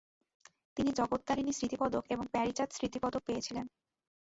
তিনি জগত্তারিনী স্মৃতি পদক এবং প্যারিচাঁদ স্মৃতি পদক পেয়েছিলেন।